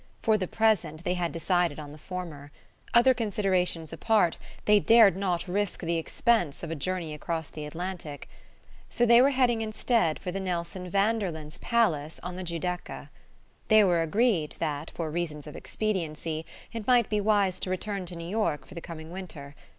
For the present, they had decided on the former. Other considerations apart, they dared not risk the expense of a journey across the Atlantic; so they were heading instead for the Nelson Vanderlyns' palace on the Giudecca. They were agreed that, for reasons of expediency, it might be wise to return to New York for the coming winter.